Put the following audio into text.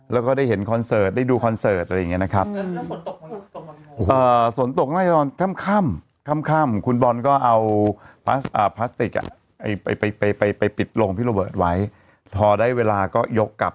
แล้วก็ได้เห็นคอนเสิร์ตได้ดูคอนเสิร์ตอะไรอย่างนี้นะครับ